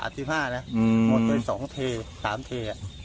หมดไป๒เท๓เท